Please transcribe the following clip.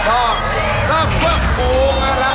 ๑๒๓อ่๊ะอู้แม่นั้นละ